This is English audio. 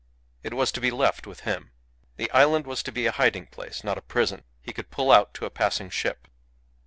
It was to be left with him. The island was to be a hiding place, not a prison; he could pull out to a passing ship.